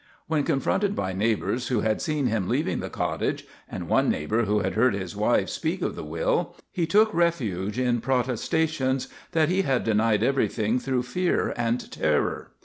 When confronted by neighbours who had seen him leaving the cottage and one neighbour who had heard his wife speak of the will, he took refuge in protestations that he had denied everything through fear and terror.